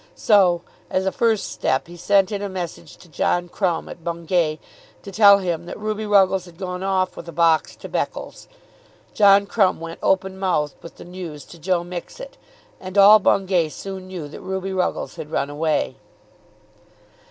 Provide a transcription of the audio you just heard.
So, as a first step, he sent in a message to John Crumb, at Bungay, to tell him that Ruby Ruggles had gone off with a box to Beccles. John Crumb went open mouthed with the news to Joe Mixet, and all Bungay soon knew that Ruby Ruggles had run away.